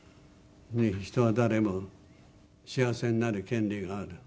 「人は誰も幸福になる権利がある」